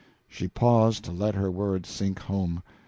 She paused to let her words sink home.